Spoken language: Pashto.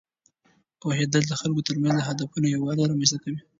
پوهېدل د خلکو ترمنځ د هدفونو یووالی رامینځته کوي.